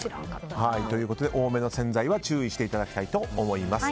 多めの洗剤は注意していただきたいと思います。